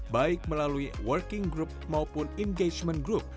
baik melalui working group maupun engagement group